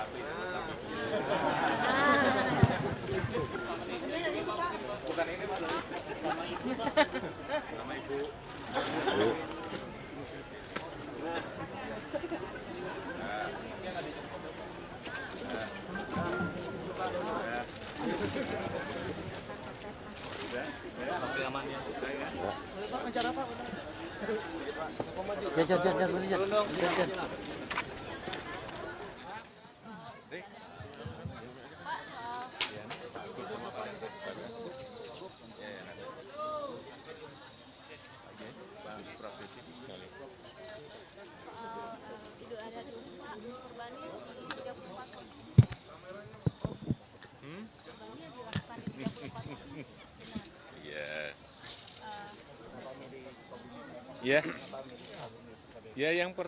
terima kasih bapak